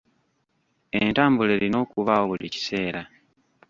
Entambula erina okubaawo buli kiseera.